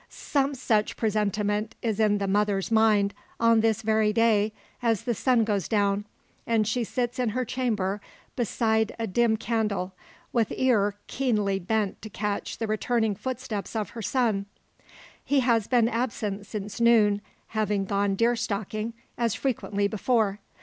Some such presentiment is in the mother's mind, on this very day, as the sun goes down, and she sits in her chamber beside a dim candle, with ear keenly bent to catch the returning footsteps of her son. He has been absent since noon, having gone deer stalking, as frequently before.